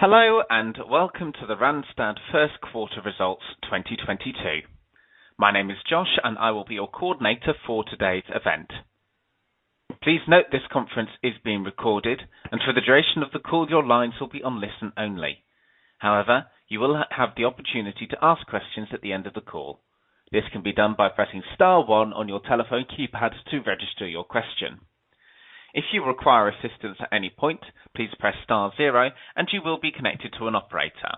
Hello, and welcome to the Randstad First-Quarter Results 2022. My name is Josh, and I will be your coordinator for today's event. Please note this conference is being recorded, and for the duration of the call, your lines will be on listen-only. However, you will have the opportunity to ask questions at the end of the call. This can be done by pressing star one on your telephone keypad to register your question. If you require assistance at any point, please press star zero and you will be connected to an operator.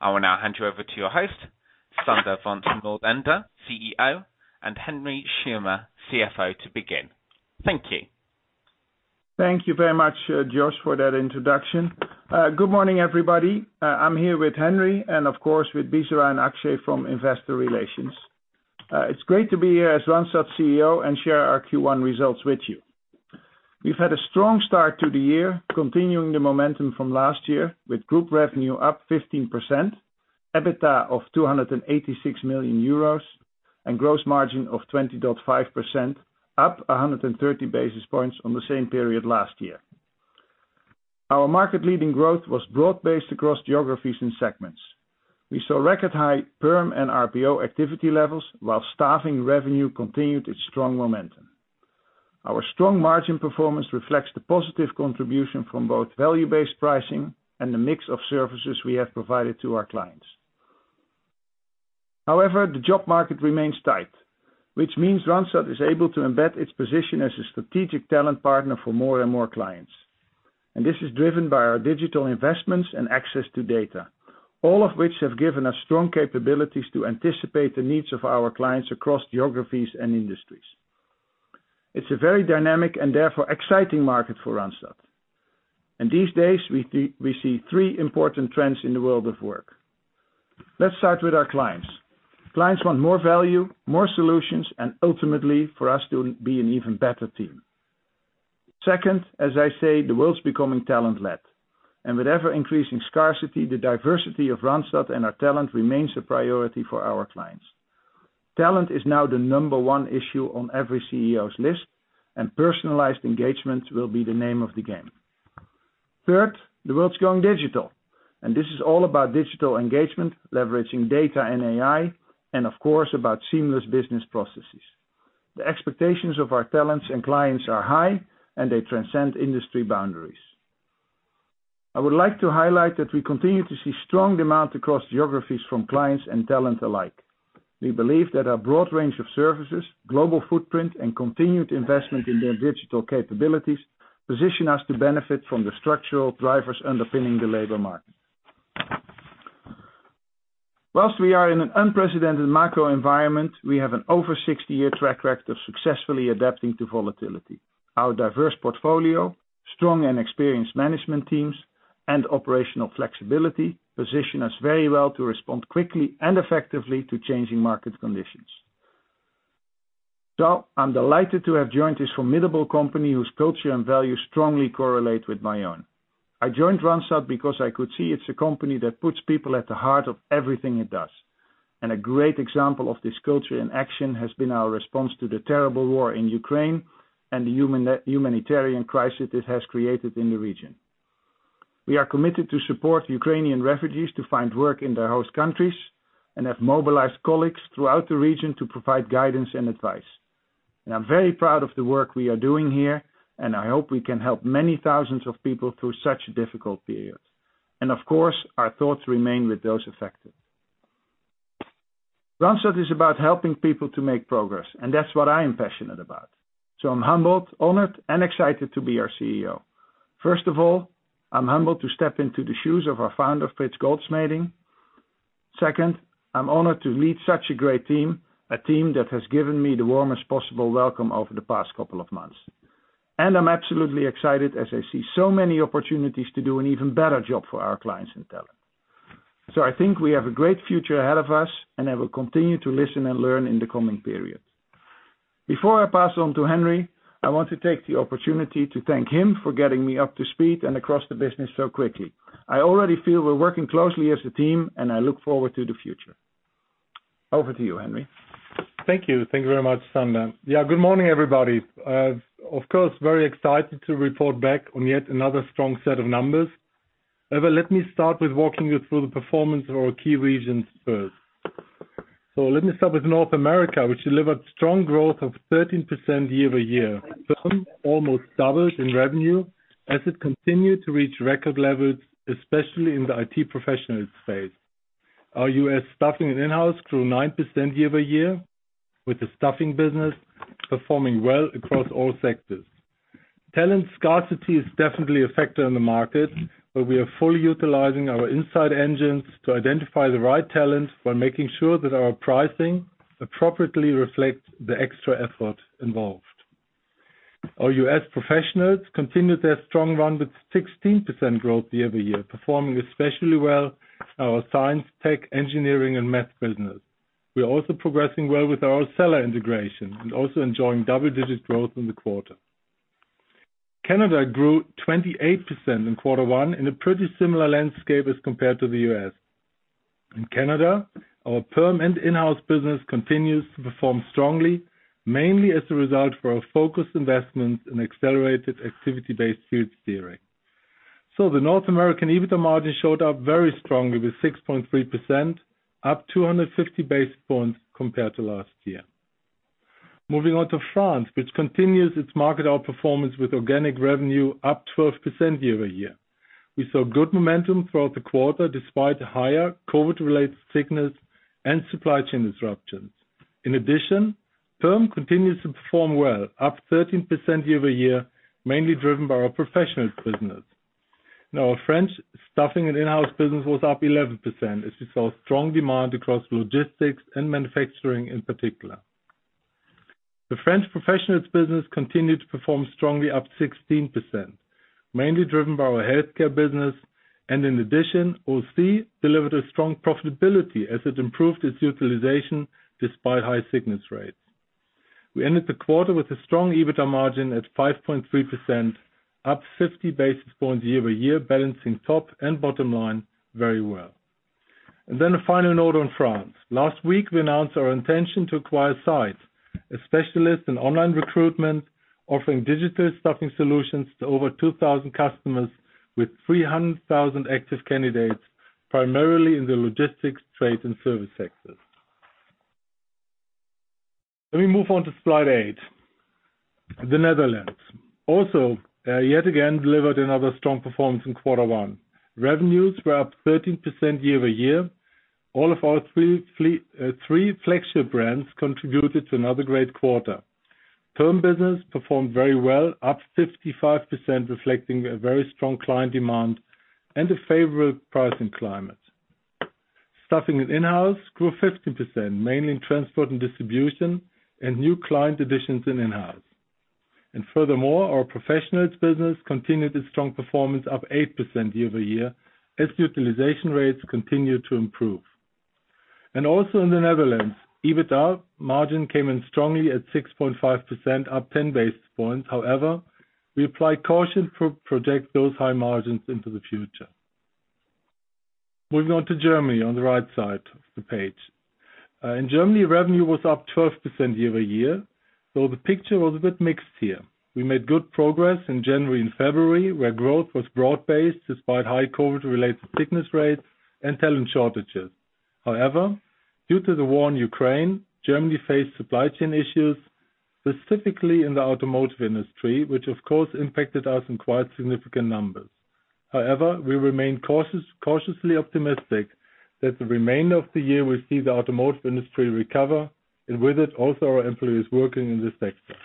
I will now hand you over to your host, Sander van 't Noordende, CEO, and Henry Schirmer, CFO, to begin. Thank you. Thank you very much, Josh, for that introduction. Good morning, everybody. I'm here with Henry and, of course, with Bisera and Akshay from Investor Relations. It's great to be here as Randstad CEO and share our Q1 results with you. We've had a strong start to the year, continuing the momentum from last year, with group revenue up 15%, EBITDA of 286 million euros, and gross margin of 20.5%, up 130 basis points on the same period last year. Our market leading growth was broad-based across geographies and segments. We saw record high perm and RPO activity levels while staffing revenue continued its strong momentum. Our strong margin performance reflects the positive contribution from both value-based pricing and the mix of services we have provided to our clients. However, the job market remains tight, which means Randstad is able to embed its position as a strategic talent partner for more and more clients. This is driven by our digital investments and access to data, all of which have given us strong capabilities to anticipate the needs of our clients across geographies and industries. It's a very dynamic and therefore exciting market for Randstad. These days we see three important trends in the world of work. Let's start with our clients. Clients want more value, more solutions, and ultimately for us to be an even better team. Second, as I say, the world's becoming talent-led. With ever-increasing scarcity, the diversity of Randstad and our talent remains a priority for our clients. Talent is now the number one issue on every CEO's list, and personalized engagement will be the name of the game. Third, the world's going digital. This is all about digital engagement, leveraging data and AI, and of course, about seamless business processes. The expectations of our talents and clients are high, and they transcend industry boundaries. I would like to highlight that we continue to see strong demand across geographies from clients and talent alike. We believe that our broad range of services, global footprint, and continued investment in their digital capabilities position us to benefit from the structural drivers underpinning the labor market. While we are in an unprecedented macro environment, we have an over 60-year track record of successfully adapting to volatility. Our diverse portfolio, strong and experienced management teams, and operational flexibility position us very well to respond quickly and effectively to changing market conditions. I'm delighted to have joined this formidable company whose culture and values strongly correlate with my own. I joined Randstad because I could see it's a company that puts people at the heart of everything it does. A great example of this culture in action has been our response to the terrible war in Ukraine and the humanitarian crisis it has created in the region. We are committed to support Ukrainian refugees to find work in their host countries and have mobilized colleagues throughout the region to provide guidance and advice. I'm very proud of the work we are doing here, and I hope we can help many thousands of people through such a difficult period. Of course, our thoughts remain with those affected. Randstad is about helping people to make progress, and that's what I am passionate about. I'm humbled, honored, and excited to be your CEO. First of all, I'm humbled to step into the shoes of our founder, Frits Goldschmeding. Second, I'm honored to lead such a great team, a team that has given me the warmest possible welcome over the past couple of months. I'm absolutely excited as I see so many opportunities to do an even better job for our clients and talent. I think we have a great future ahead of us, and I will continue to listen and learn in the coming period. Before I pass on to Henry, I want to take the opportunity to thank him for getting me up to speed and across the business so quickly. I already feel we're working closely as a team and I look forward to the future. Over to you, Henry. Thank you. Thank you very much, Sander. Yeah, good morning, everybody. Of course, very excited to report back on yet another strong set of numbers. However, let me start with walking you through the performance of our key regions first. Let me start with North America, which delivered strong growth of 13% year-over-year. Perm almost doubled in revenue as it continued to reach record levels, especially in the IT professionals space. Our U.S. staffing and in-house grew 9% year-over-year with the staffing business performing well across all sectors. Talent scarcity is definitely a factor in the market, but we are fully utilizing our inside engines to identify the right talent by making sure that our pricing appropriately reflects the extra effort involved. Our U.S. professionals continued their strong run with 16% growth year-over-year, performing especially well in our science, tech, engineering and math business. We are also progressing well with our Cella integration and also enjoying double-digit growth in the quarter. Canada grew 28% in quarter one in a pretty similar landscape as compared to the U.S. In Canada, our perm and in-house business continues to perform strongly, mainly as a result of our focused investments in accelerated activity-based field steering. The North American EBITDA margin showed up very strongly with 6.3%, up 250 basis points compared to last year. Moving on to France, which continues its market outperformance with organic revenue up 12% year-over-year. We saw good momentum throughout the quarter, despite higher COVID-related sickness and supply chain disruptions. In addition, perm continues to perform well, up 13% year-over-year, mainly driven by our professionals business. Our French staffing and in-house business was up 11% as we saw strong demand across logistics and manufacturing in particular. The French professionals business continued to perform strongly up 16%, mainly driven by our healthcare business. In addition, Ausy delivered a strong profitability as it improved its utilization despite high sickness rates. We ended the quarter with a strong EBITDA margin at 5.3%, up 50 basis points year-over-year, balancing top and bottom line very well. A final note on France. Last week, we announced our intention to acquire Side, a specialist in online recruitment, offering digital staffing solutions to over 2,000 customers with 300,000 active candidates, primarily in the logistics, trade, and service sectors. Let me move on to slide 8. The Netherlands also yet again delivered another strong performance in quarter 1. Revenues were up 13% year-over-year. All of our 3 flagship brands contributed to another great quarter. Perm business performed very well, up 55%, reflecting a very strong client demand and a favorable pricing climate. Staffing and in-house grew 15%, mainly in transport and distribution and new client additions in in-house. Our professionals business continued its strong performance up 8% year-over-year as utilization rates continued to improve. In the Netherlands, EBITDA margin came in strongly at 6.5%, up 10 basis points. However, we apply caution if we project those high margins into the future. Moving on to Germany on the right side of the page. In Germany, revenue was up 12% year-over-year, so the picture was a bit mixed here. We made good progress in January and February, where growth was broad-based despite high COVID-related sickness rates and talent shortages. However, due to the war in Ukraine, Germany faced supply chain issues, specifically in the automotive industry, which of course impacted us in quite significant numbers. However, we remain cautious, cautiously optimistic that the remainder of the year will see the automotive industry recover, and with it, also our employees working in this sector.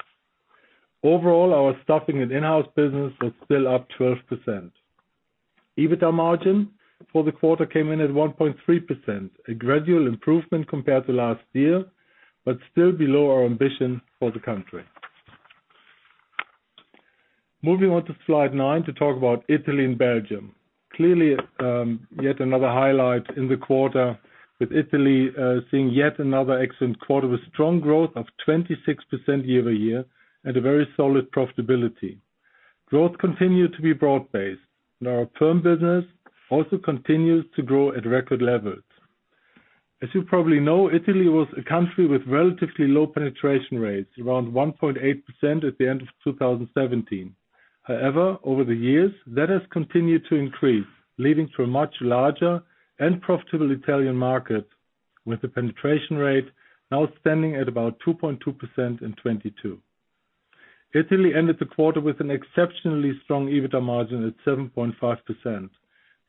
Overall, our staffing and in-house business was still up 12%. EBITDA margin for the quarter came in at 1.3%, a gradual improvement compared to last year, but still below our ambition for the country. Moving on to slide 9 to talk about Italy and Belgium. Clearly, yet another highlight in the quarter with Italy seeing yet another excellent quarter with strong growth of 26% year-over-year and a very solid profitability. Growth continued to be broad-based. Now our perm business also continues to grow at record levels. As you probably know, Italy was a country with relatively low penetration rates, around 1.8% at the end of 2017. However, over the years, that has continued to increase, leading to a much larger and profitable Italian market with the penetration rate now standing at about 2.2% in 2022. Italy ended the quarter with an exceptionally strong EBITDA margin at 7.5%,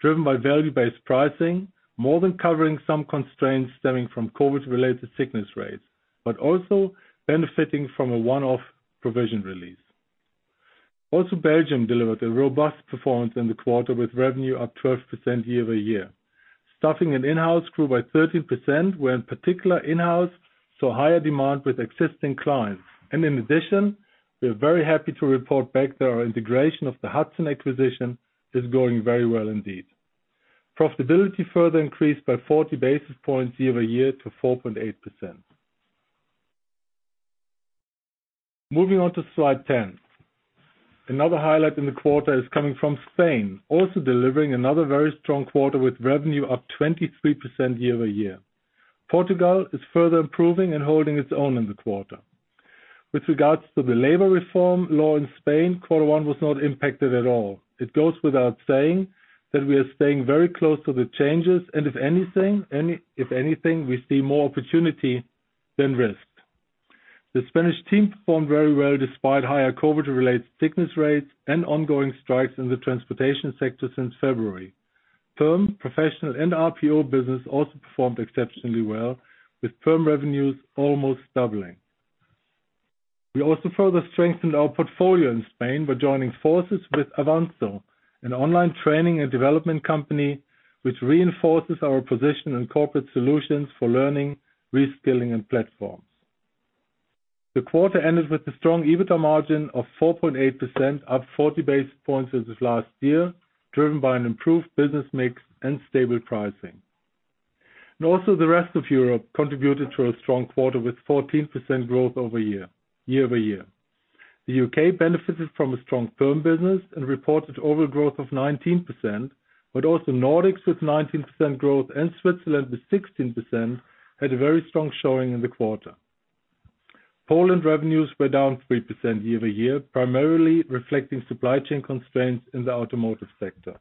driven by value-based pricing, more than covering some constraints stemming from COVID-related sickness rates, but also benefiting from a one-off provision release. Belgium delivered a robust performance in the quarter with revenue up 12% year-over-year. Staffing and in-house grew by 13%, where in particular in-house saw higher demand with existing clients. In addition, we are very happy to report back that our integration of the Hudson acquisition is going very well indeed. Profitability further increased by 40 basis points year-over-year to 4.8%. Moving on to slide 10. Another highlight in the quarter is coming from Spain, also delivering another very strong quarter with revenue up 23% year-over-year. Portugal is further improving and holding its own in the quarter. With regards to the labor reform law in Spain, quarter 1 was not impacted at all. It goes without saying that we are staying very close to the changes, and if anything, we see more opportunity than risk. The Spanish team performed very well despite higher COVID-related sickness rates and ongoing strikes in the transportation sector since February. Perm, professional, and RPO business also performed exceptionally well, with perm revenues almost doubling. We also further strengthened our portfolio in Spain by joining forces with Avanzo, an online training and development company which reinforces our position in corporate solutions for learning, reskilling, and platforms. The quarter ended with a strong EBITDA margin of 4.8%, up 40 basis points as of last year, driven by an improved business mix and stable pricing. The rest of Europe contributed to a strong quarter with 14% growth year-over-year. The U.K. benefited from a strong firm business and reported overall growth of 19%, but also Nordics with 19% growth and Switzerland with 16% had a very strong showing in the quarter. Poland revenues were down 3% year-over-year, primarily reflecting supply chain constraints in the automotive sector.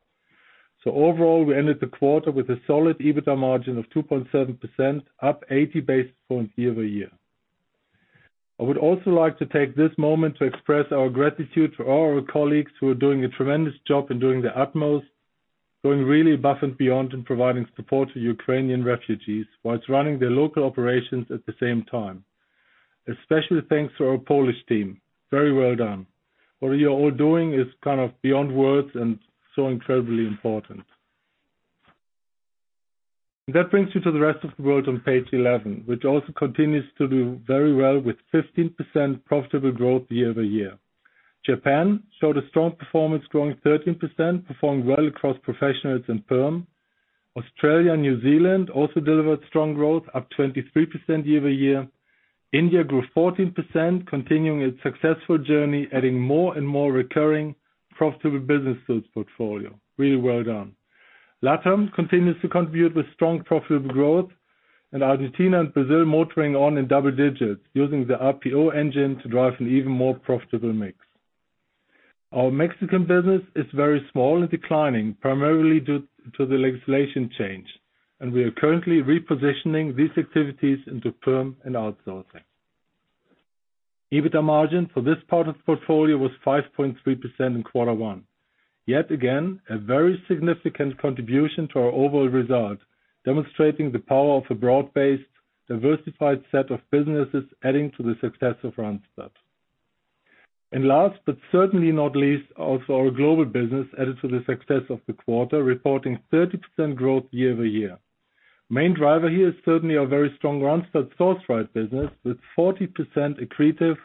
Overall, we ended the quarter with a solid EBITDA margin of 2.7%, up 80 basis points year-over-year. I would also like to take this moment to express our gratitude to all our colleagues who are doing a tremendous job in doing their utmost, going really above and beyond in providing support to Ukrainian refugees while running their local operations at the same time. Especially thanks to our Polish team. Very well done. What you're all doing is kind of beyond words and so incredibly important. That brings me to the rest of the world on page 11, which also continues to do very well with 15% profitable growth year-over-year. Japan showed a strong performance, growing 13%, performing well across professionals and in-house. Australia and New Zealand also delivered strong growth, up 23% year-over-year. India grew 14%, continuing its successful journey, adding more and more recurring profitable businesses portfolio. Really well done. LatAm continues to contribute with strong profitable growth, and Argentina and Brazil motoring on in double digits using the RPO engine to drive an even more profitable mix. Our Mexican business is very small and declining, primarily due to the legislation change, and we are currently repositioning these activities into in-house and outsourcing. EBITDA margin for this part of the portfolio was 5.3% in quarter 1. Yet again, a very significant contribution to our overall result, demonstrating the power of a broad-based, diversified set of businesses adding to the success of Randstad. Last, but certainly not least, also our global business added to the success of the quarter, reporting 30% growth year-over-year. Main driver here is certainly our very strong Randstad Sourceright business, with 40% accretive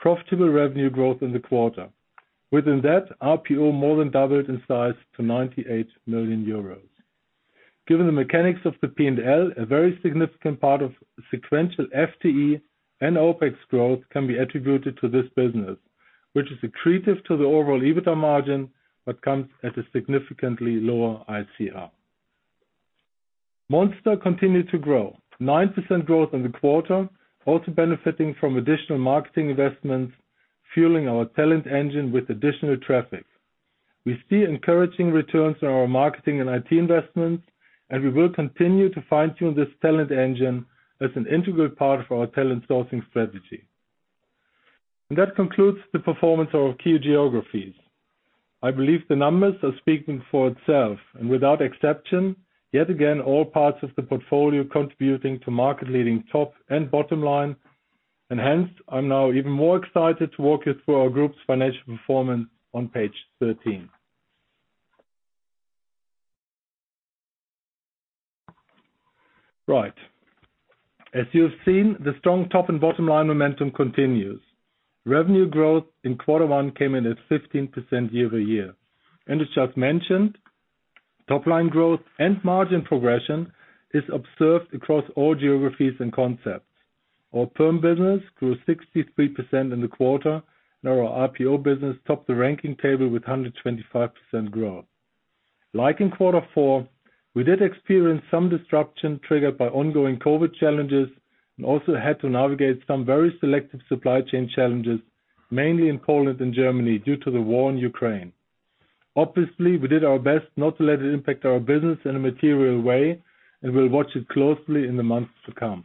profitable revenue growth in the quarter. Within that, RPO more than doubled in size to 98 million euros. Given the mechanics of the P&L, a very significant part of sequential FTE and OpEx growth can be attributed to this business, which is accretive to the overall EBITDA margin, but comes at a significantly lower ICR. Monster continued to grow. 9% growth in the quarter, also benefiting from additional marketing investments, fueling our talent engine with additional traffic. We see encouraging returns on our marketing and IT investments, and we will continue to fine-tune this talent engine as an integral part of our talent sourcing strategy. That concludes the performance of our key geographies. I believe the numbers are speaking for itself and without exception, yet again, all parts of the portfolio contributing to market leading top and bottom line. Hence, I'm now even more excited to walk you through our group's financial performance on page 13. Right. As you have seen, the strong top and bottom line momentum continues. Revenue growth in quarter one came in at 15% year-over-year. As just mentioned, top line growth and margin progression is observed across all geographies and concepts. Our firm business grew 63% in the quarter, and our RPO business topped the ranking table with 125% growth. Like in quarter four, we did experience some disruption triggered by ongoing COVID challenges and also had to navigate some very selective supply chain challenges, mainly in Poland and Germany, due to the war in Ukraine. Obviously, we did our best not to let it impact our business in a material way, and we'll watch it closely in the months to come.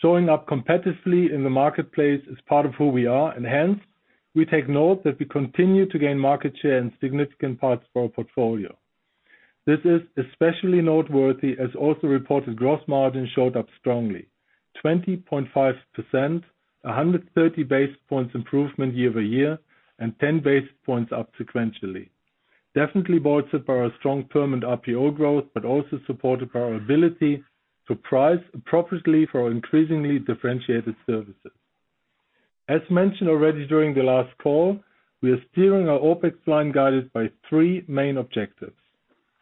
Showing up competitively in the marketplace is part of who we are, and hence, we take note that we continue to gain market share in significant parts of our portfolio. This is especially noteworthy as also reported gross margin showed up strongly, 20.5%, a 130 basis points improvement year-over-year, and 10 basis points up sequentially. Definitely bolstered by our strong firm and RPO growth, but also supported by our ability to price appropriately for our increasingly differentiated services. As mentioned already during the last call, we are steering our OpEx line guided by three main objectives.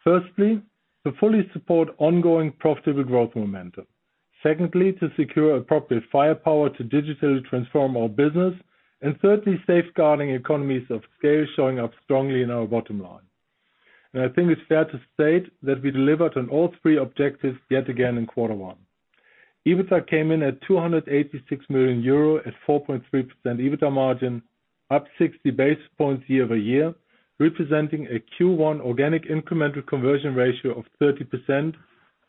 Firstly, to fully support ongoing profitable growth momentum. Secondly, to secure appropriate firepower to digitally transform our business. Thirdly, safeguarding economies of scale showing up strongly in our bottom line. I think it's fair to state that we delivered on all three objectives yet again in quarter one. EBITDA came in at 286 million euro at 4.3% EBITDA margin, up 60 basis points year-over-year, representing a Q1 organic incremental conversion ratio of 30%,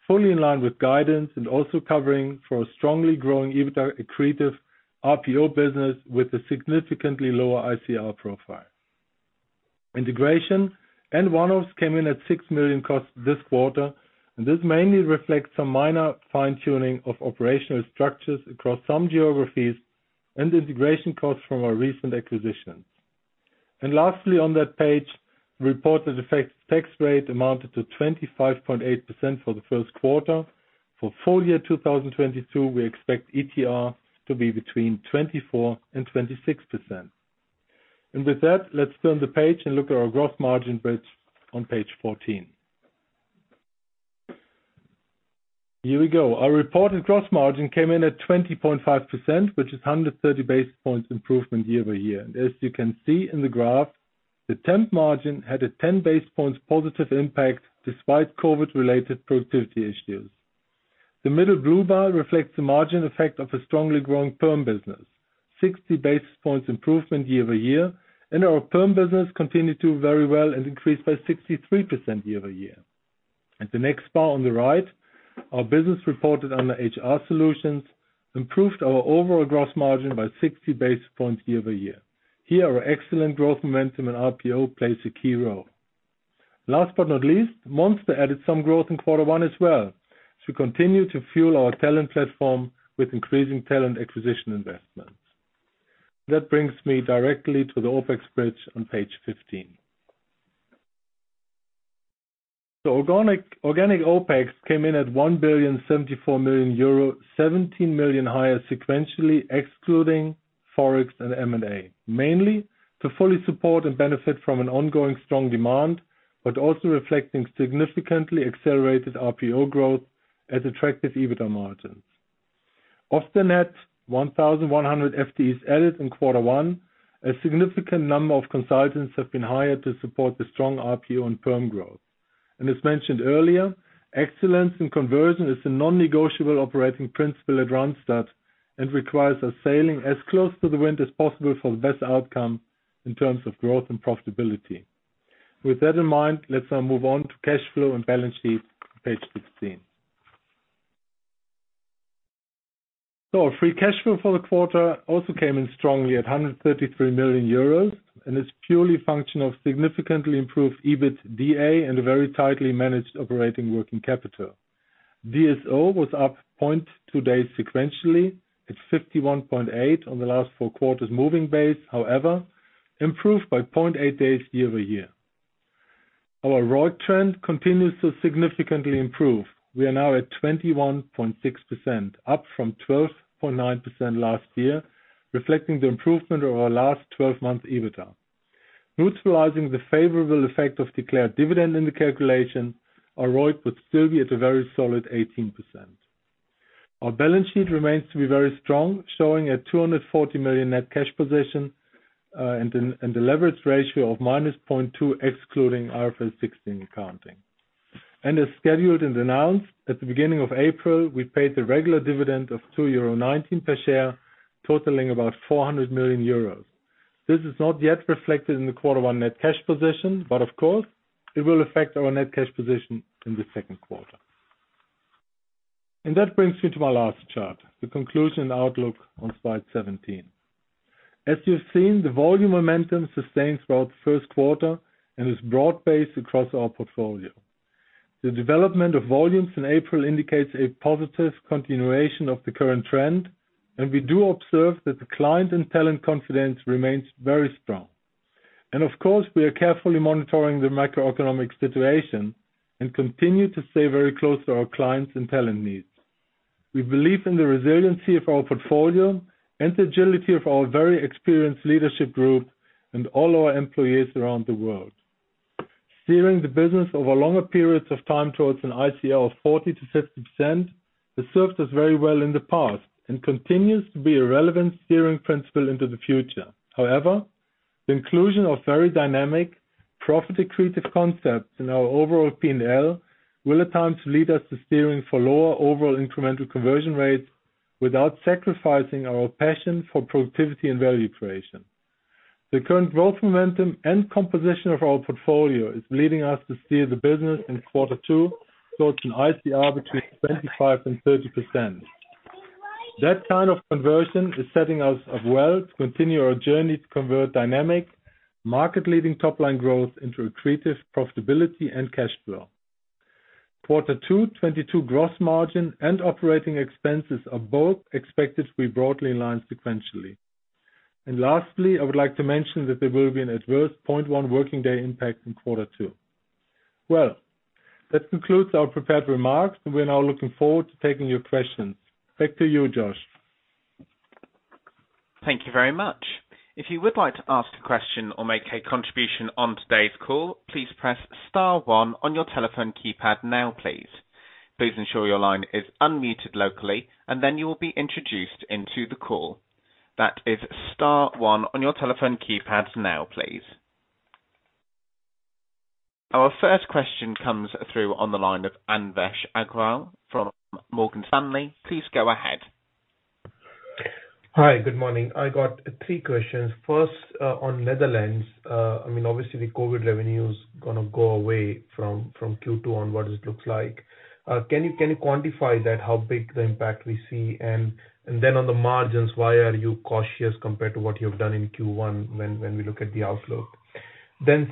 fully in line with guidance and also covering for a strongly growing EBITDA accretive RPO business with a significantly lower ICR profile. Integration and one-offs came in at 6 million costs this quarter, and this mainly reflects some minor fine-tuning of operational structures across some geographies and integration costs from our recent acquisitions. Lastly on that page, reported effective tax rate amounted to 25.8% for the first quarter. For full year 2022, we expect ETR to be between 24% and 26%. With that, let's turn the page and look at our gross margin bridge on page 14. Here we go. Our reported gross margin came in at 20.5%, which is 130 basis points improvement year-over-year. As you can see in the graph, the temp margin had a 10 basis points positive impact despite COVID related productivity issues. The middle blue bar reflects the margin effect of a strongly growing perm business, 60 basis points improvement year-over-year, and our perm business continued to do very well and increased by 63% year-over-year. The next bar on the right, our business reported under HR solutions improved our overall gross margin by 60 basis points year-over-year. Here, our excellent growth momentum and RPO plays a key role. Last but not least, Monster added some growth in quarter one as well to continue to fuel our talent platform with increasing talent acquisition investments. That brings me directly to the OpEx bridge on page 15. The organic OpEx came in at 1,074 million euro, 17 million higher sequentially, excluding Forex and M&A, mainly to fully support and benefit from an ongoing strong demand, but also reflecting significantly accelerated RPO growth at attractive EBITDA margins. Of the net, 1,100 FTEs added in quarter one, a significant number of consultants have been hired to support the strong RPO and perm growth. As mentioned earlier, excellence in conversion is a non-negotiable operating principle at Randstad and requires us sailing as close to the wind as possible for the best outcome in terms of growth and profitability. With that in mind, let's now move on to cash flow and balance sheet, page 15. Free cash flow for the quarter also came in strongly at 133 million euros, and it's purely a function of significantly improved EBITDA and a very tightly managed operating working capital. DSO was up 0.2 days sequentially at 51.8 on the last four quarters moving base, however, improved by 0.8 days year-over-year. Our ROIC trend continues to significantly improve. We are now at 21.6%, up from 12.9% last year, reflecting the improvement over our last twelve months EBITDA. Neutralizing the favorable effect of declared dividend in the calculation, our ROIC would still be at a very solid 18%. Our balance sheet remains to be very strong, showing a 240 million net cash position, and a leverage ratio of -0.2, excluding IFRS 16 accounting. As scheduled and announced at the beginning of April, we paid the regular dividend of €2.19 per share, totaling about 400 million euros. This is not yet reflected in the quarter one net cash position, but of course, it will affect our net cash position in the second quarter. That brings me to my last chart, the conclusion and outlook on slide 17. As you've seen, the volume momentum sustains throughout the first quarter and is broad-based across our portfolio. The development of volumes in April indicates a positive continuation of the current trend, and we do observe that the client and talent confidence remains very strong. Of course, we are carefully monitoring the macroeconomic situation and continue to stay very close to our clients and talent needs. We believe in the resiliency of our portfolio and the agility of our very experienced leadership group and all our employees around the world. Steering the business over longer periods of time towards an ICR of 40%-60% has served us very well in the past and continues to be a relevant steering principle into the future. However, the inclusion of very dynamic, profit accretive concepts in our overall P&L will at times lead us to steering for lower overall incremental conversion rates without sacrificing our passion for productivity and value creation. The current growth momentum and composition of our portfolio is leading us to steer the business in quarter 2 towards an ICR between 25%-30%. That kind of conversion is setting us up well to continue our journey to convert dynamic market-leading top-line growth into accretive profitability and cash flow. Quarter 2, 2022 gross margin and operating expenses are both expected to be broadly in line sequentially. Lastly, I would like to mention that there will be an adverse 0.1 working day impact in quarter 2. Well, that concludes our prepared remarks. We are now looking forward to taking your questions. Back to you, Josh. Thank you very much. If you would like to ask a question or make a contribution on today's call, please press star one on your telephone keypad now, please. Please ensure your line is unmuted locally and then you will be introduced into the call. That is star one on your telephone keypads now, please. Our first question comes through on the line of Anvesh Agrawal from Morgan Stanley. Please go ahead. Hi. Good morning. I got three questions. First, on Netherlands. I mean, obviously the COVID revenue is gonna go away from Q2 on what it looks like. Can you quantify that, how big the impact we see? And then on the margins, why are you cautious compared to what you have done in Q1 when we look at the outlook?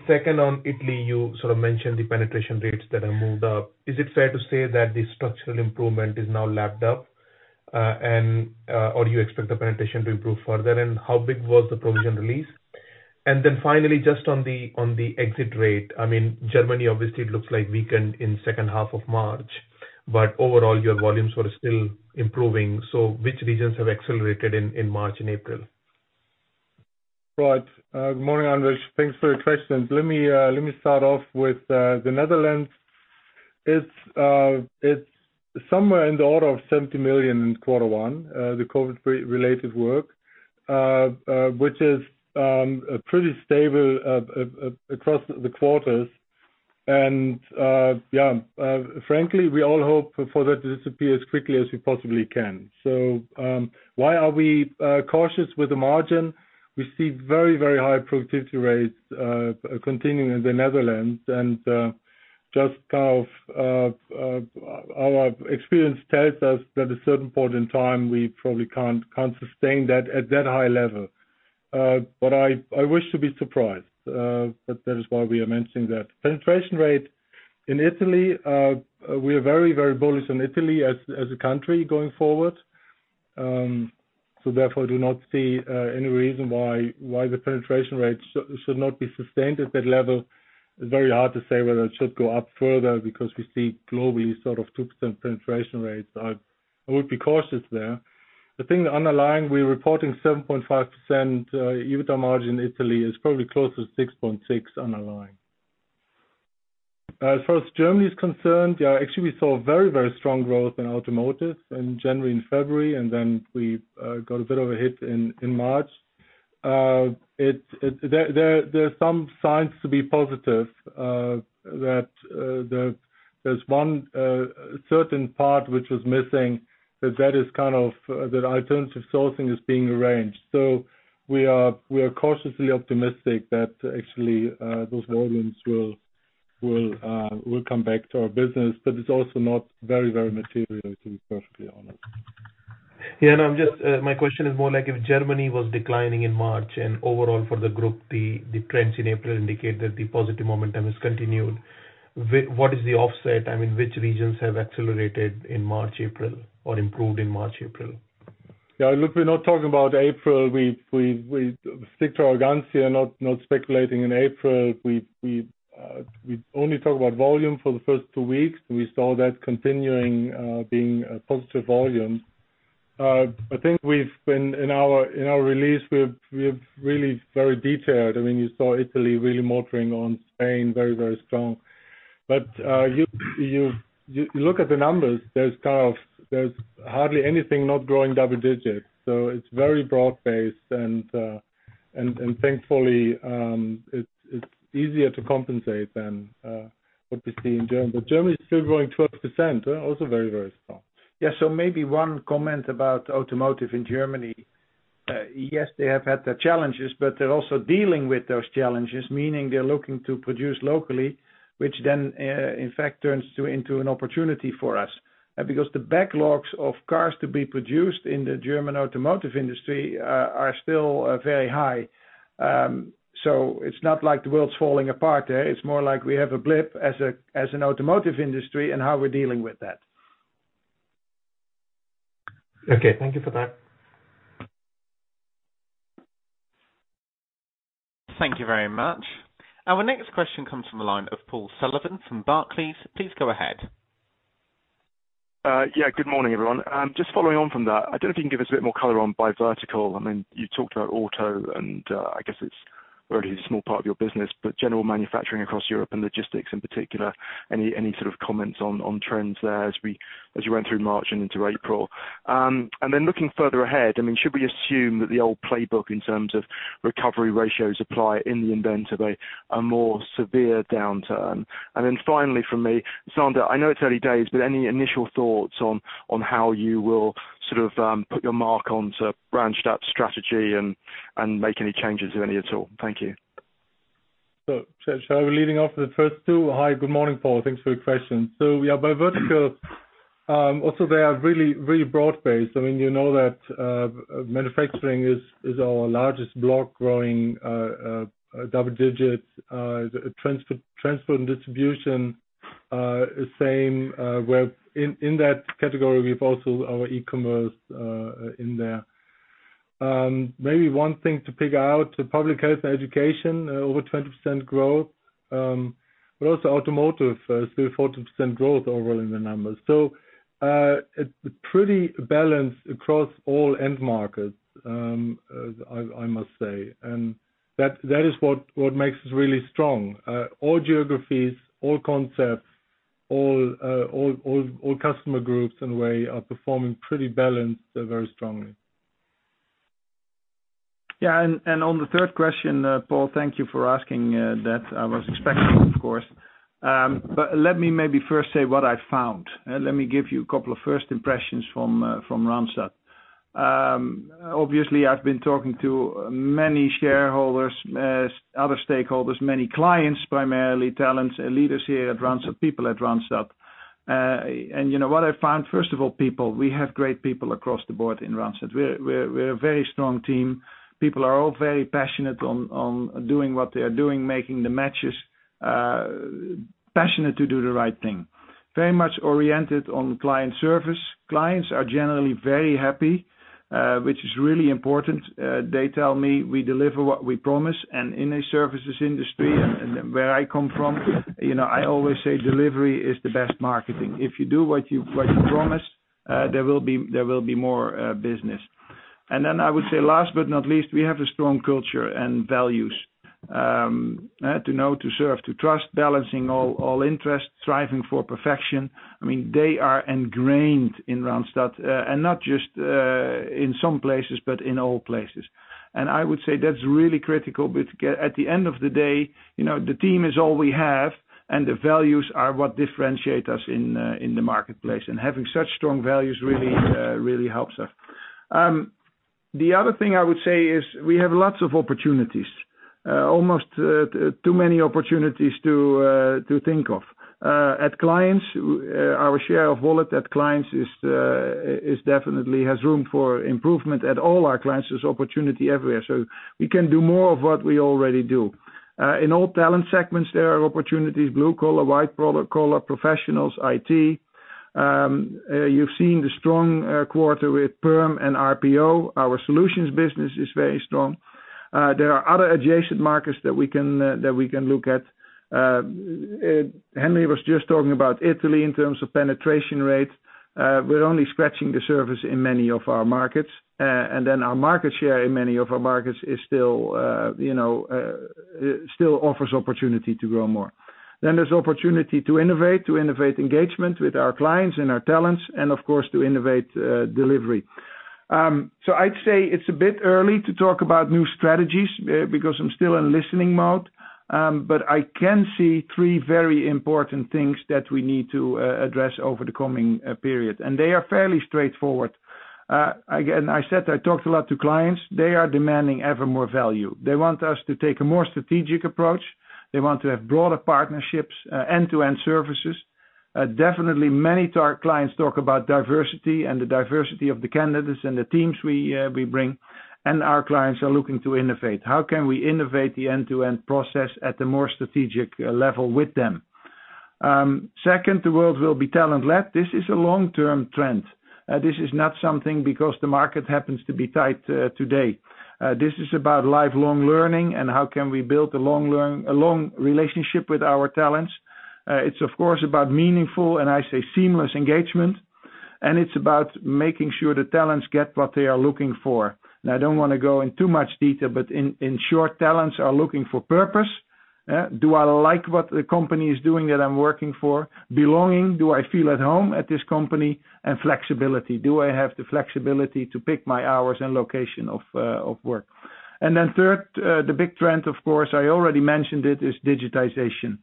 Second, on Italy, you sort of mentioned the penetration rates that have moved up. Is it fair to say that the structural improvement is now lapped up, and or you expect the penetration to improve further? And how big was the provision release? Finally, just on the exit rate, I mean, Germany obviously it looks like weakened in second half of March, but overall your volumes were still improving. Which regions have accelerated in March and April? Good morning, Anvesh. Thanks for your questions. Let me start off with the Netherlands. It's somewhere in the order of 70 million in quarter one, the COVID-related work, which is pretty stable across the quarters. Frankly, we all hope for that to disappear as quickly as we possibly can. Why are we cautious with the margin? We see very high productivity rates continuing in the Netherlands. Just kind of our experience tells us that at a certain point in time, we probably can't sustain that at that high level. I wish to be surprised, but that is why we are mentioning that. Penetration rate in Italy, we are very, very bullish in Italy as a country going forward, so therefore do not see any reason why the penetration rate should not be sustained at that level. It's very hard to say whether it should go up further because we see globally sort of 2% penetration rates. I would be cautious there. The thing underlying, we're reporting 7.5% EBITDA margin in Italy is probably close to 6.6 underlying. As far as Germany is concerned, yeah, actually, we saw very, very strong growth in automotive in January and February, and then we got a bit of a hit in March. There are some signs to be positive that there's one certain part which was missing, but that is kind of the alternative sourcing is being arranged. We are cautiously optimistic that actually those volumes will come back to our business, but it's also not very material, to be perfectly honest. My question is more like if Germany was declining in March and overall for the group, the trends in April indicate that the positive momentum has continued. What is the offset? I mean, which regions have accelerated in March, April or improved in March, April? Yeah. Look, we're not talking about April. We stick to our guidance here, not speculating in April. We only talk about volume for the first two weeks. We saw that continuing, being a positive volume. I think we've been in our release, we've really very detailed. I mean, you saw Italy really motoring on Spain very, very strong. You look at the numbers, there's hardly anything not growing double digits, so it's very broad-based. Thankfully, it's easier to compensate than what we see in Germany. Germany is still growing 12%, also very, very strong. Yeah. Maybe one comment about automotive in Germany. Yes, they have had their challenges, but they're also dealing with those challenges, meaning they're looking to produce locally, which then, in fact, turns into an opportunity for us. Because the backlogs of cars to be produced in the German automotive industry are still very high. So it's not like the world's falling apart, eh? It's more like we have a blip as an automotive industry and how we're dealing with that. Okay. Thank you for that. Thank you very much. Our next question comes from a line of Paul Sullivan from Barclays. Please go ahead. Yeah, good morning, everyone. Just following on from that, I don't know if you can give us a bit more color on by vertical. I mean, you talked about auto and I guess it's only a small part of your business, but general manufacturing across Europe and logistics in particular. Any sort of comments on trends there as you went through March and into April? Then looking further ahead, I mean, should we assume that the old playbook in terms of recovery ratios apply in the event of a more severe downturn? Then finally from me, Sander, I know it's early days, but any initial thoughts on how you will sort of put your mark onto Randstad's strategy and make any changes if any at all? Thank you. Shall I be leading off with the first two? Hi, good morning, Paul. Thanks for your question. Yeah, by vertical, also they are really broad-based. I mean, you know that manufacturing is our largest block growing double digits. Transport and distribution, same, where in that category we've also our e-commerce in there. Maybe one thing to pick out, public health education, over 20% growth. Also automotive, still 14% growth overall in the numbers. It's pretty balanced across all end markets, as I must say. That is what makes us really strong. All geographies, all concepts, all customer groups in a way are performing pretty balanced, very strongly. Yeah. On the third question, Paul, thank you for asking that. I was expecting it, of course. Let me maybe first say what I found. Let me give you a couple of first impressions from Randstad. Obviously, I've been talking to many shareholders, other stakeholders, many clients, primarily talents and leaders here at Randstad, people at Randstad. You know what I found? First of all, people, we have great people across the board in Randstad. We're a very strong team. People are all very passionate on doing what they are doing, making the matches, passionate to do the right thing. Very much oriented on client service. Clients are generally very happy, which is really important. They tell me we deliver what we promise. In a services industry and where I come from, you know, I always say delivery is the best marketing. If you do what you promise, there will be more business. Then I would say last but not least, we have a strong culture and values, to know, to serve, to trust, balancing all interests, striving for perfection. I mean, they are ingrained in Randstad and not just in some places, but in all places. I would say that's really critical because at the end of the day, you know, the team is all we have, and the values are what differentiate us in the marketplace. Having such strong values really helps us. The other thing I would say is we have lots of opportunities, almost too many opportunities to think of. At clients, our share of wallet at clients is definitely has room for improvement at all our clients. There's opportunity everywhere. We can do more of what we already do. In all talent segments, there are opportunities, blue collar, white collar, professionals, IT. You've seen the strong quarter with perm and RPO. Our solutions business is very strong. There are other adjacent markets that we can look at. Henry was just talking about Italy in terms of penetration rate. We're only scratching the surface in many of our markets. Our market share in many of our markets is still, you know, still offers opportunity to grow more. There's opportunity to innovate engagement with our clients and our talents, and of course, to innovate delivery. I'd say it's a bit early to talk about new strategies because I'm still in listening mode, but I can see three very important things that we need to address over the coming period, and they are fairly straightforward. Again, I said I talked a lot to clients. They are demanding ever more value. They want us to take a more strategic approach. They want to have broader partnerships, end-to-end services. Definitely many clients talk about diversity and the diversity of the candidates and the teams we bring, and our clients are looking to innovate. How can we innovate the end-to-end process at a more strategic level with them? Second, the world will be talent led. This is a long-term trend. This is not something because the market happens to be tight today. This is about lifelong learning and how can we build a long relationship with our talents. It's of course about meaningful, and I say seamless engagement, and it's about making sure the talents get what they are looking for. I don't want to go in too much detail, but in short, talents are looking for purpose. Do I like what the company is doing that I'm working for? Belonging, do I feel at home at this company? Flexibility, do I have the flexibility to pick my hours and location of work? Third, the big trend, of course, I already mentioned it, is digitization.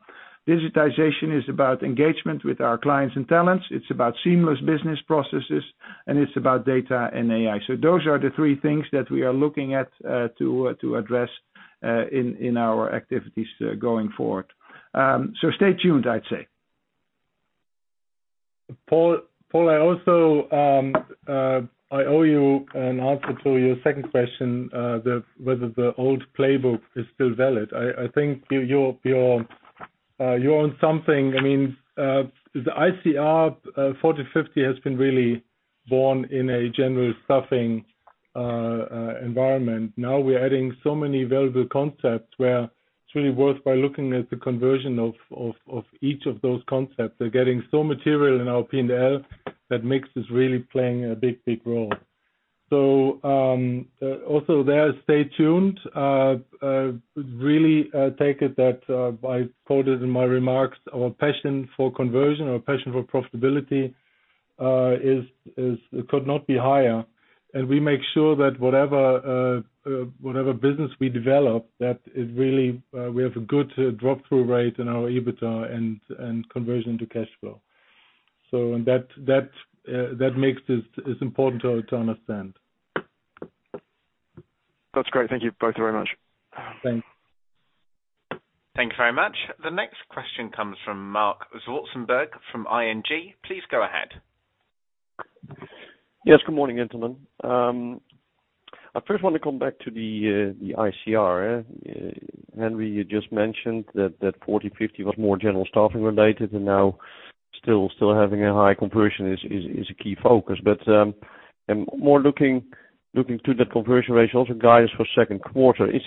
Digitization is about engagement with our clients and talents. It's about seamless business processes, and it's about data and AI. Those are the three things that we are looking at to address in our activities going forward. Stay tuned, I'd say. Paul, I also owe you an answer to your second question, whether the old playbook is still valid. I think you're onto something. I mean, the ICR 40, 50 has been really born in a general staffing environment. Now we're adding so many valuable concepts where it's really worthwhile looking at the conversion of each of those concepts. They're getting so material in our P&L that makes this really play a big role. Also there, stay tuned. Really take it that I quoted in my remarks, our passion for conversion, our passion for profitability is could not be higher. We make sure that whatever business we develop, that it really we have a good drop-through rate in our EBITDA and conversion to cash flow. That makes this is important to understand. That's great. Thank you both very much. Thanks. Thank you very much. The next question comes from Marc Zwartsenburg from ING. Please go ahead. Yes, good morning, gentlemen. I first want to come back to the ICR. Henry, you just mentioned that 40-50 was more general staffing related and now still having a high conversion is a key focus. I'm more looking to the conversion ratio as a guidance for second quarter. Is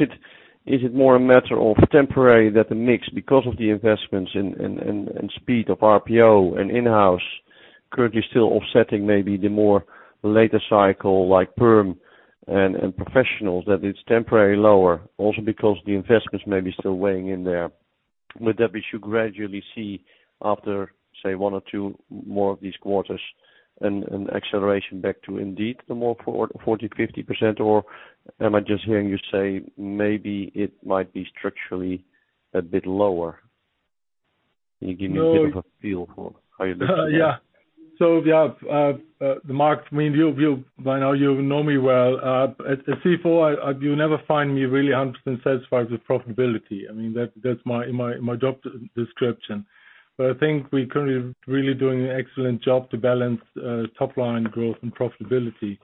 it more a matter of temporary that the mix because of the investments and speed of RPO and in-house currently still offsetting maybe the more later cycle like perm and professionals, that it's temporary lower also because the investments may be still weighing in there. With that, we should gradually see after, say, 1 or 2 more of these quarters an acceleration back to indeed the more forward 40-50%. Am I just hearing you say maybe it might be structurally a bit lower? Can you give me a bit of a feel for how you look at that? Yeah, Marc, I mean, by now you know me well. As CFO, you never find me really 100% satisfied with profitability. I mean, that's my job description. I think we're currently really doing an excellent job to balance top line growth and profitability.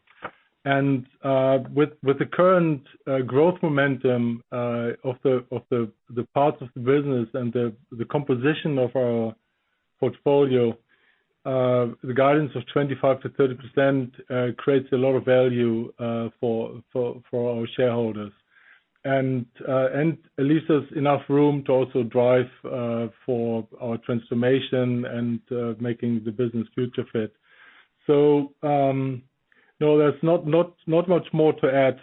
With the current growth momentum of the parts of the business and the composition of our portfolio, the guidance of 25%-30% creates a lot of value for our shareholders. At least there's enough room to also drive forward our transformation and making the business future fit. No, there's not much more to add.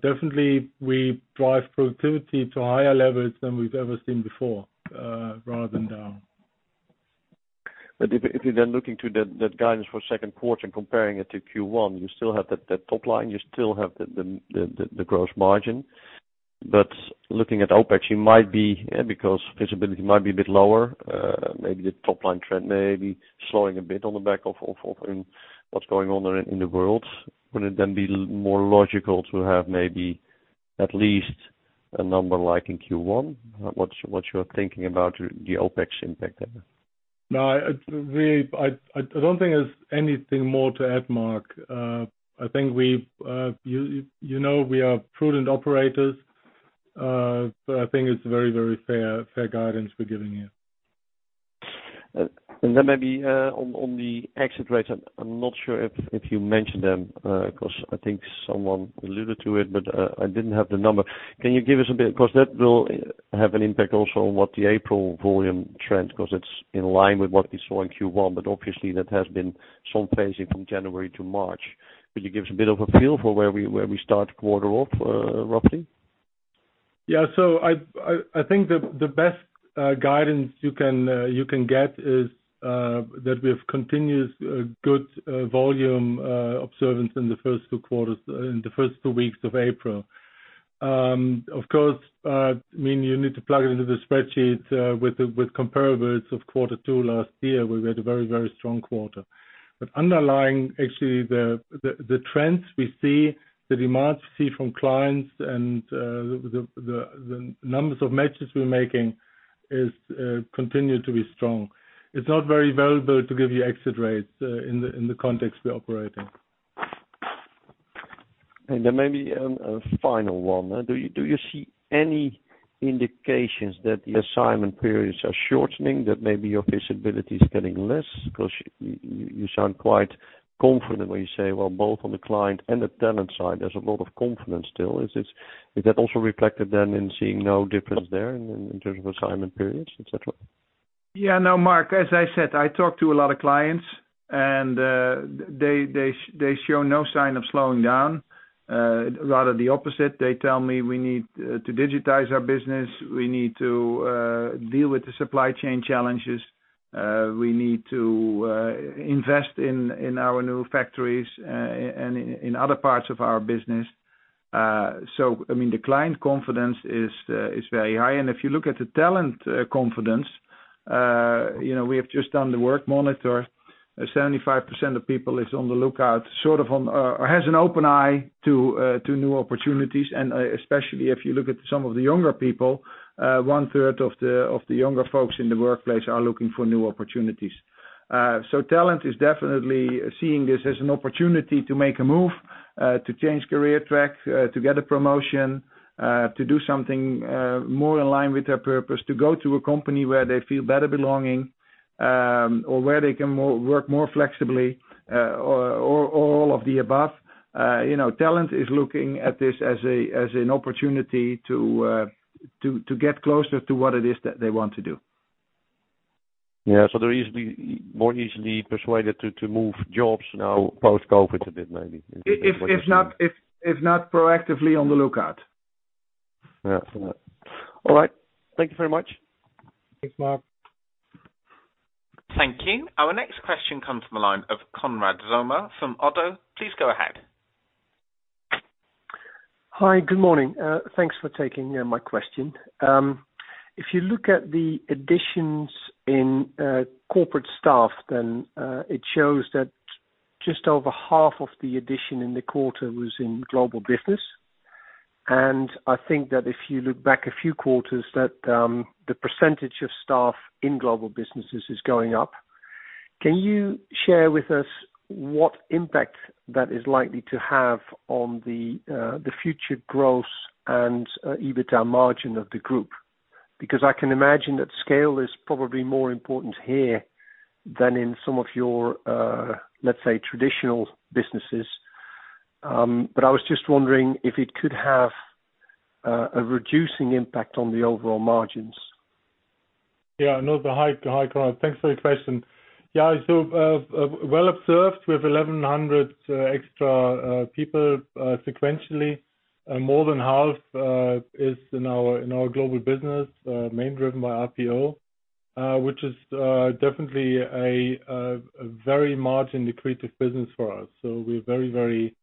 Definitely we drive productivity to higher levels than we've ever seen before, rather than down. If you're then looking to that guidance for second quarter and comparing it to Q1, you still have the top line, you still have the gross margin. Looking at OpEx, you might be, yeah, because visibility might be a bit lower, maybe the top line trend may be slowing a bit on the back of what's going on in the world. Wouldn't it then be more logical to have maybe at least a number like in Q1? What's your thinking about the OpEx impact there? No, I don't think there's anything more to add, Mark. I think you know we are prudent operators, but I think it's very fair guidance we're giving you. Maybe on the exit rates, I'm not sure if you mentioned them, 'cause I think someone alluded to it, but I didn't have the number. Can you give us a bit? 'Cause that will have an impact also on what the April volume trend, 'cause it's in line with what we saw in Q1. Obviously that has been some phasing from January to March. Could you give us a bit of a feel for where we start the quarter off, roughly? Yeah. I think the best guidance you can get is that we have continuous good volume observation in the first two weeks of April. Of course, I mean, you need to plug it into the spreadsheet with comparables of quarter two last year, where we had a very strong quarter. Underlying actually the trends we see, the demands we see from clients and the numbers of matches we're making is continue to be strong. It's not very valuable to give you exit rates in the context we're operating. Maybe a final one. Do you see any indications that the assignment periods are shortening, that maybe your visibility is getting less? 'Cause you sound quite confident when you say, well, both on the client and the talent side, there's a lot of confidence still. Is that also reflected then in seeing no difference there in terms of assignment periods, et cetera? Yeah. No, Marc Zwartsenburg, as I said, I talk to a lot of clients and they show no sign of slowing down. Rather the opposite. They tell me we need to digitize our business. We need to deal with the supply chain challenges. We need to invest in our new factories and in other parts of our business. So I mean, the client confidence is very high. If you look at the talent confidence, you know, we have just done the Workmonitor. 75% of people is on the lookout, sort of on or has an open eye to new opportunities. Especially if you look at some of the younger people, one-third of the younger folks in the workplace are looking for new opportunities. Talent is definitely seeing this as an opportunity to make a move, to change career track, to get a promotion, to do something more in line with their purpose. To go to a company where they feel better belonging, or where they can work more flexibly, or all of the above. You know, talent is looking at this as an opportunity to get closer to what it is that they want to do. They're more easily persuaded to move jobs now post-COVID a bit maybe. If not proactively on the lookout. Yeah. All right. Thank you very much. Thanks, Marc. Thank you. Our next question comes from the line of Konrad Zomer from ODDO. Please go ahead. Hi. Good morning. Thanks for taking my question. If you look at the additions in corporate staff then it shows that just over half of the addition in the quarter was in global business. I think that if you look back a few quarters that the percentage of staff in global businesses is going up. Can you share with us what impact that is likely to have on the future growth and EBITDA margin of the group? Because I can imagine that scale is probably more important here than in some of your let's say traditional businesses. I was just wondering if it could have a reducing impact on the overall margins. Yeah, no. Hi, hi Konrad. Thanks for your question. Yeah. Well observed. We have 1,100 extra people sequentially. More than half is in our global business, mainly driven by RPO, which is definitely a very margin accretive business for us. We're very, very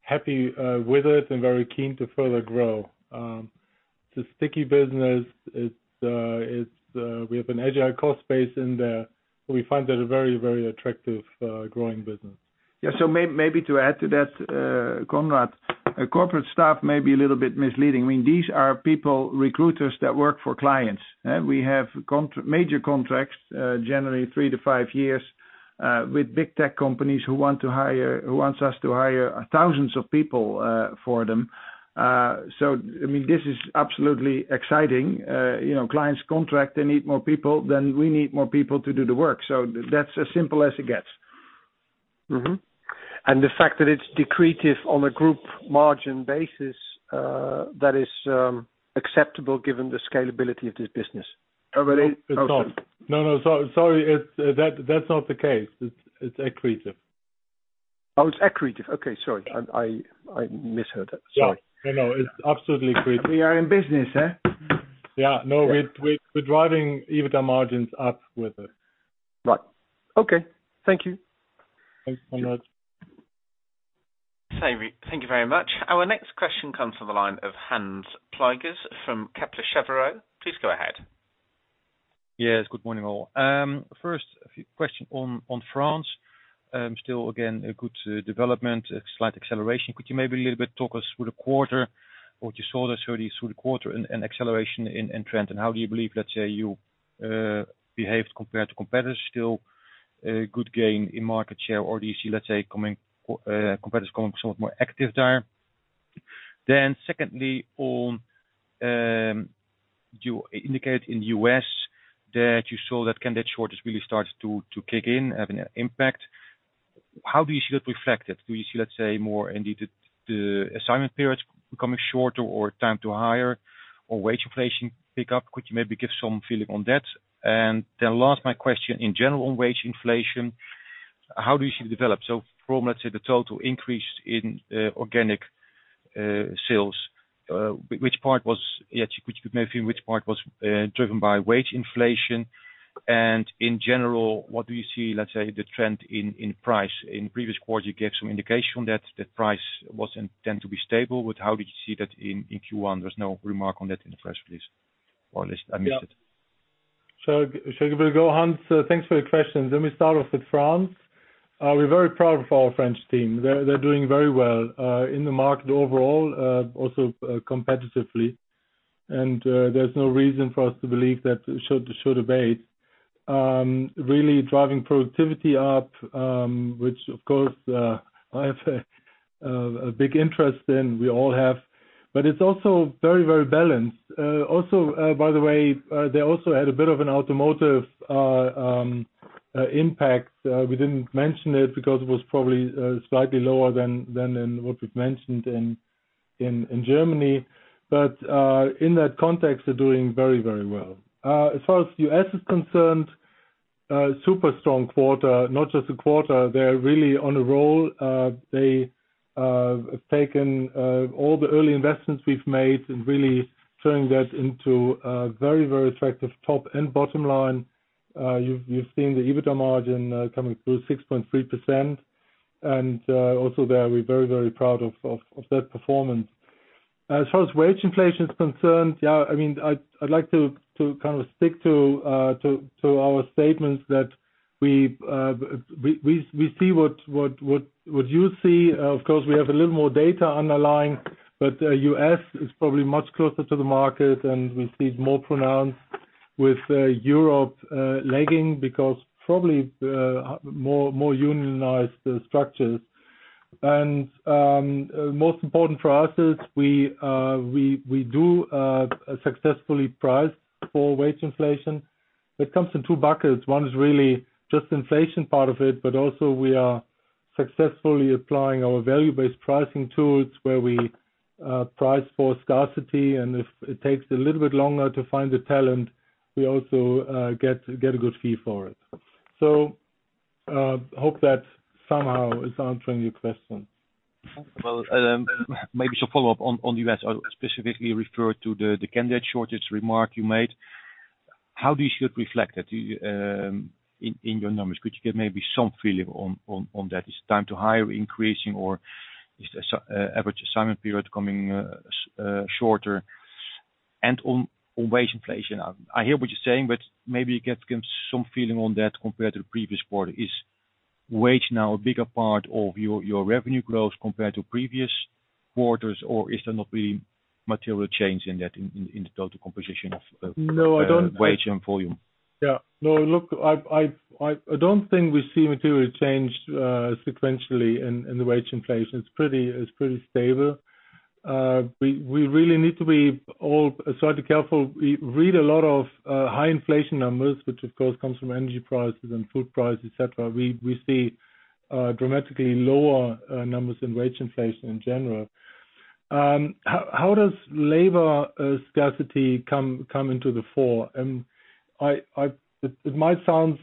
happy with it and very keen to further grow. It's a sticky business. We have an agile cost base in there. We find that a very, very attractive growing business. Yeah. Maybe to add to that, Konrad, corporate staff may be a little bit misleading. I mean, these are people, recruiters that work for clients. We have major contracts, generally 3-5 years, with big tech companies who wants us to hire thousands of people for them. I mean, this is absolutely exciting. You know, clients contract, they need more people, then we need more people to do the work. That's as simple as it gets. The fact that it's decretive on a group margin basis, that is, acceptable given the scalability of this business. No, it's not. Okay. No. Sorry. That's not the case. It's accretive. Oh, it's accretive. Okay. Sorry. I misheard that. Sorry. Yeah. No, no. It's absolutely accretive. We are in business, eh? Yeah. No. We're driving EBITDA margins up with it. Right. Okay. Thank you. Thanks a lot. Thank you very much. Our next question comes from the line of Hans Pluijgers from Kepler Cheuvreux. Please go ahead. Yes. Good morning, all. First, a few questions on France. Still again, a good development, a slight acceleration. Could you maybe a little bit talk us through the quarter, what you saw there through the quarter and acceleration in trend? How do you believe, let's say, you behaved compared to competitors? Still a good gain in market share or do you see, let's say, competitors becoming somewhat more active there? Secondly, on you indicated in the U.S. that you saw that candidate shortage really started to kick in, having an impact. How do you see that reflected? Do you see, let's say, more in the assignment periods becoming shorter or time to hire or wage inflation pick up? Could you maybe give some feeling on that? Then last, my question in general on wage inflation, how do you see it develop? From, let's say, the total increase in organic sales, which part was driven by wage inflation? In general, what do you see, let's say, the trend in price? In previous quarters, you gave some indication that the price was intended to be stable. How do you see that in Q1? There's no remark on that in the press release, or at least I missed it. We'll go, Hans. Thanks for the question. Let me start off with France. We're very proud of our French team. They're doing very well in the market overall, also competitively. There's no reason for us to believe that it should abate. Really driving productivity up, which of course I have a big interest in, we all have. But it's also very balanced. Also, by the way, they also had a bit of an automotive impact. We didn't mention it because it was probably slightly lower than in what we've mentioned in Germany. In that context, they're doing very well. As far as U.S. is concerned, a super strong quarter. Not just the quarter, they're really on a roll. They have taken all the early investments we've made and really turning that into a very, very attractive top and bottom line. You've seen the EBITDA margin coming through 6.3%. Also there, we're very proud of that performance. As far as wage inflation is concerned, yeah, I mean, I'd like to kind of stick to our statements that we see what you see. Of course, we have a little more data underlying, but U.S. is probably much closer to the market, and we see it more pronounced with Europe lagging because probably more unionized structures. Most important for us is we do successfully price for wage inflation. It comes in two buckets. One is really just inflation part of it, but also we are successfully applying our value-based pricing tools where we price for scarcity. If it takes a little bit longer to find the talent, we also get a good fee for it. Hope that somehow is answering your question. Well, maybe some follow-up on the U.S. I'll specifically refer to the candidate shortage remark you made. How do you see it reflected in your numbers? Could you give maybe some feeling on that? Is time to hire increasing or is the average assignment period becoming shorter? And on wage inflation, I hear what you're saying, but maybe you can give some feeling on that compared to the previous quarter. Is wage now a bigger part of your revenue growth compared to previous quarters, or is there not really material change in that in the total composition of the- No, I don't. wage and volume? Yeah. No, look, I don't think we see material change sequentially in the wage inflation. It's pretty stable. We really need to be a little careful. We read a lot of high inflation numbers, which of course comes from energy prices and food prices, et cetera. We see dramatically lower numbers in wage inflation in general. How does labor scarcity come to the fore? It might sound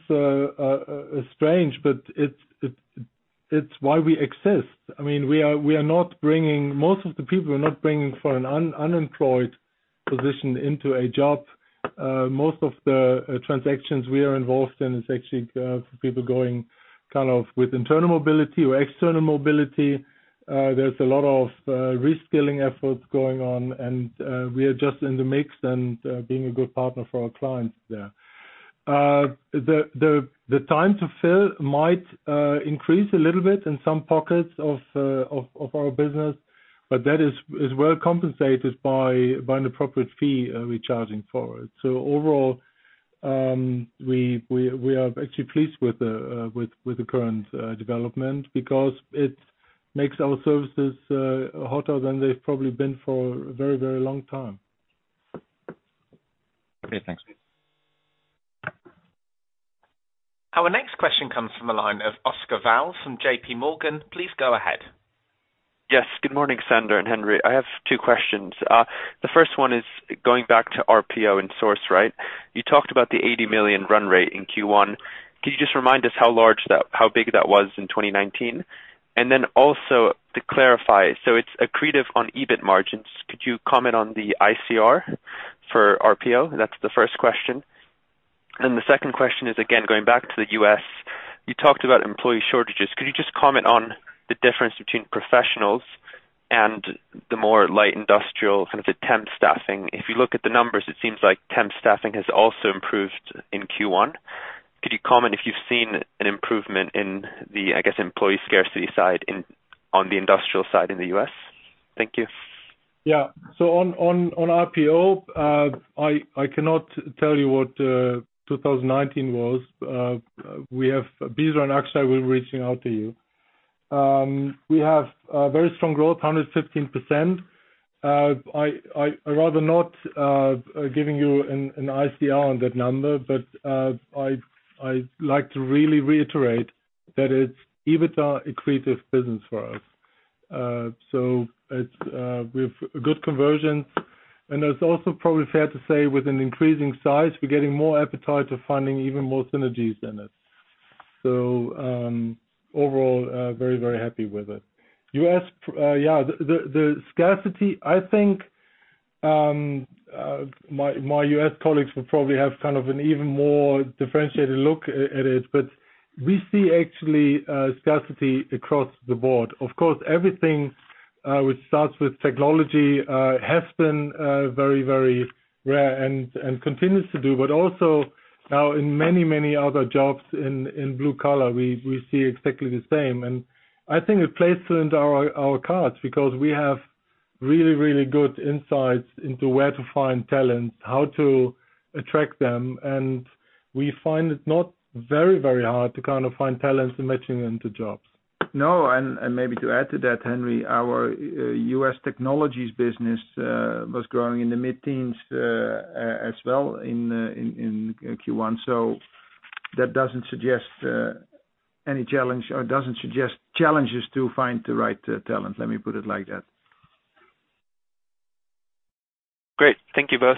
strange, but it's why we exist. I mean, most of the people we're not bringing from an unemployed position into a job. Most of the transactions we are involved in is actually for people going kind of with internal mobility or external mobility. There's a lot of reskilling efforts going on, and we are just in the mix and being a good partner for our clients there. The time to fill might increase a little bit in some pockets of our business, but that is well compensated by an appropriate fee we're charging for it. Overall, we are actually pleased with the current development because it makes our services hotter than they've probably been for a very long time. Okay, thanks. Our next question comes from the line of Oscar Val Mas from JPMorgan. Please go ahead. Yes. Good morning, Sander and Henry. I have two questions. The first one is going back to RPO and Sourceright. You talked about the 80 million run rate in Q1. Could you just remind us how big that was in 2019? Then also to clarify, so it's accretive on EBIT margins. Could you comment on the ICR for RPO? That's the first question. The second question is, again, going back to the U.S., you talked about employee shortages. Could you just comment on the difference between professionals and the more light industrial, kind of the temp staffing. If you look at the numbers, it seems like temp staffing has also improved in Q1. Could you comment if you've seen an improvement in the, I guess, employee scarcity side in, on the industrial side in the U.S.? Thank you. On RPO, I cannot tell you what 2019 was. We have Bisera and Akshay actually will be reaching out to you. We have very strong growth, 115%. I rather not giving you an ICR on that number, but I like to really reiterate that it's EBITDA accretive business for us. It's with good conversion, and it's also probably fair to say with an increasing size, we're getting more appetite to finding even more synergies in it. Overall, very happy with it. U.S., the scarcity, I think, my U.S. colleagues will probably have kind of an even more differentiated look at it, but we see actually scarcity across the board. Of course, everything which starts with technology has been very, very rare and continues to do, but also now in many, many other jobs in blue collar, we see exactly the same. I think it plays into our cards because we have really, really good insights into where to find talent, how to attract them, and we find it not very, very hard to kind of find talent and matching them to jobs. No, maybe to add to that, Henry, our U.S. technologies business was growing in the mid-teens as well in Q1. That doesn't suggest any challenge or doesn't suggest challenges to find the right talent. Let me put it like that. Great. Thank you both.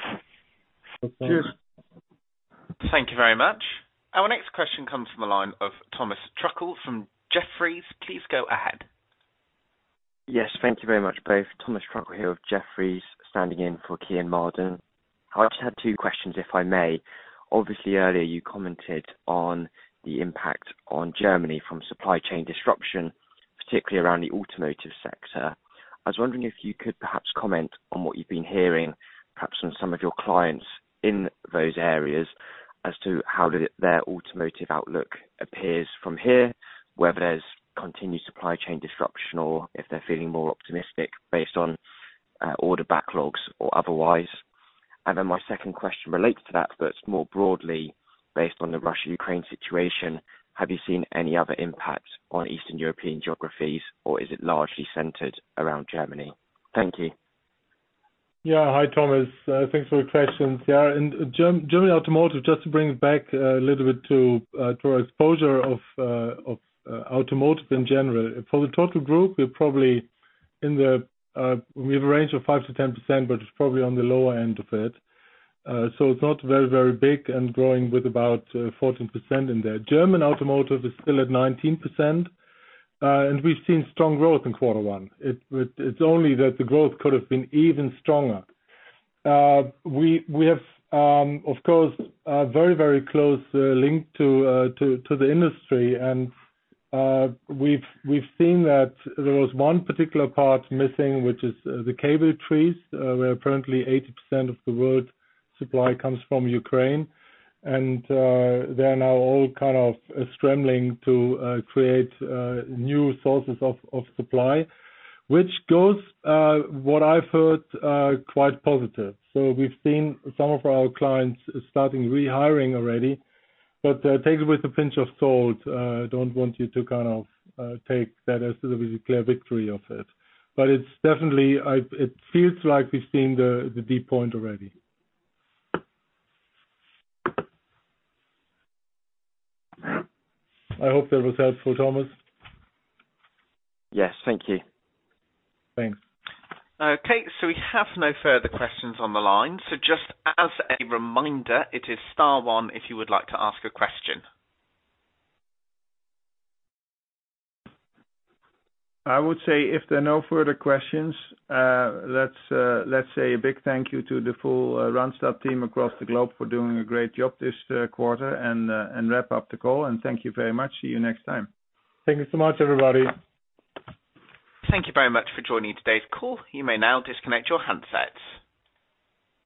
Cheers. Thank you very much. Our next question comes from a line of Thomas Truckle from Jefferies. Please go ahead. Yes, thank you very much, both. Thomas Truckle here of Jefferies, standing in for Kean Marden. I just had two questions, if I may. Obviously, earlier you commented on the impact on Germany from supply chain disruption, particularly around the automotive sector. I was wondering if you could perhaps comment on what you've been hearing, perhaps from some of your clients in those areas as to how their automotive outlook appears from here, whether there's continued supply chain disruption or if they're feeling more optimistic based on order backlogs or otherwise. My second question relates to that, but more broadly, based on the Russia-Ukraine situation, have you seen any other impact on Eastern European geographies, or is it largely centered around Germany? Thank you. Yeah. Hi, Thomas. Thanks for the questions. Yeah, in German automotive, just to bring it back a little bit to our exposure of automotive in general. For the total group, we have a range of 5%-10%, but it's probably on the lower end of it. So it's not very, very big and growing with about 14% in there. German automotive is still at 19%, and we've seen strong growth in quarter one. It's only that the growth could have been even stronger. We have, of course, a very, very close link to the industry. We've seen that there was one particular part missing, which is the cable trees, where apparently 80% of the world's supply comes from Ukraine. They are now all kind of scrambling to create new sources of supply, which, from what I've heard, is quite positive. We've seen some of our clients starting rehiring already. Take it with a pinch of salt. Don't want you to kind of take that as a clear victory over it. It's definitely. It feels like we've seen the low point already. I hope that was helpful, Thomas. Yes. Thank you. Thanks. Okay, we have no further questions on the line. Just as a reminder, it is star one, if you would like to ask a question. I would say if there are no further questions, let's say a big thank you to the full Randstad team across the globe for doing a great job this quarter and wrap up the call. Thank you very much. See you next time. Thank you so much, everybody. Thank you very much for joining today's call. You may now disconnect your handsets.